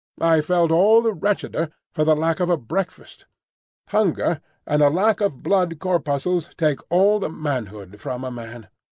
I felt all the wretcheder for the lack of a breakfast. Hunger and a lack of blood corpuscles take all the manhood from a man.